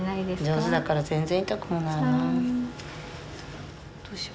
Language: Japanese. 上手だから全然痛くもない。